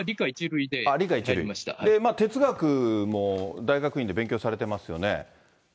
哲学も大学院で勉強されてますよね。